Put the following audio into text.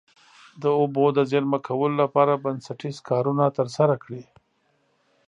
د اوبو د زیرمه کولو لپاره بنسټیز کارونه ترسره کړي.